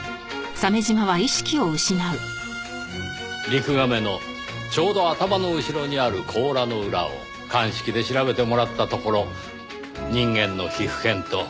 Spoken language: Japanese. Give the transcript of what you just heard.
リクガメのちょうど頭の後ろにある甲羅の裏を鑑識で調べてもらったところ人間の皮膚片と血液が採取されました。